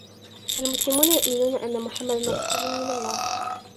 المسلمون يؤمنون أن محمّدا رسول من الله.